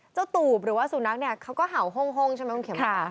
เจ้าตูบหรือว่าสุนัขเขาก็เห่าห่งใช่ไหมคุณเขียม